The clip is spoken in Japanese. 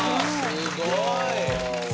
すごーい。